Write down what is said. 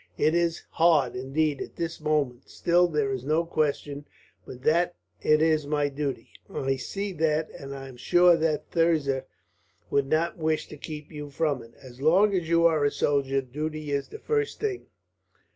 It is hard, indeed, at this moment. Still, there is no question but that it is my duty." "I see that, and I am sure that Thirza would not wish to keep you from it. As long as you are a soldier, duty is the first thing.